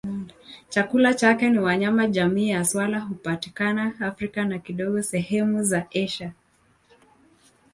Chakula chake ni wanyama jamii ya swala hupatikana Afrika na kidogo sehemu za Asia.